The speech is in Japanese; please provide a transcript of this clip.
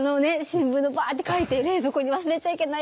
新聞にバーって書いて冷蔵庫に忘れちゃいけないって。